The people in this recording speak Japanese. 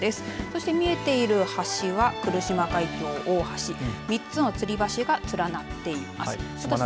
そして見えている場所は来島海峡大橋３つの橋が連なっています。